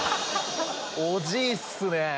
おじいっすね！